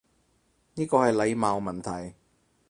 呢個係禮貌問題